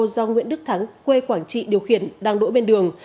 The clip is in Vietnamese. do nguyễn đức thắng quê quảng trị điều khiển đang đỗ bên đường